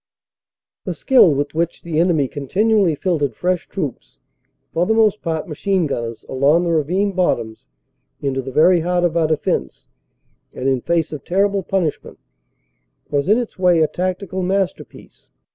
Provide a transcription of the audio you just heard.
The skill with which the enemy continually filtered fresh troops, for the most part machine gunners, along the ravine bottoms into the very heart of our defense, and in face of ter rible punishment, was in its way a tactical masterpiece.